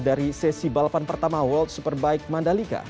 dari sesi balapan pertama world superbike mandalika